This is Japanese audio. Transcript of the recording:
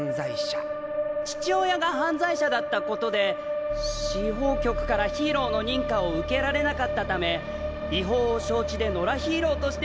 「父親が犯罪者だったことで司法局からヒーローの認可を受けられなかったため違法を承知で野良ヒーローとして活動」。